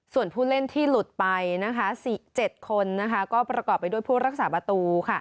ส่วนผู้เล่นที่หลุดไป๑๗คนก็ประกอบไปด้วยผู้รักษาประตู